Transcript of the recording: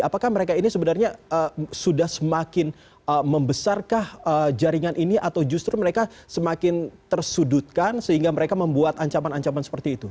apakah mereka ini sebenarnya sudah semakin membesarkah jaringan ini atau justru mereka semakin tersudutkan sehingga mereka membuat ancaman ancaman seperti itu